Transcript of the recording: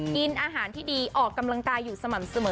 กินอาหารที่ดีออกกำลังกายอยู่สม่ำเสมอ